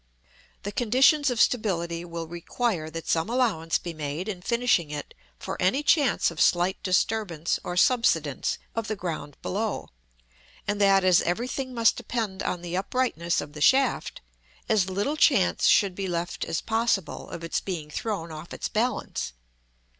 The conditions of stability will require that some allowance be made in finishing it for any chance of slight disturbance or subsidence of the ground below, and that, as everything must depend on the uprightness of the shaft, as little chance should be left as possible of its being thrown off its balance.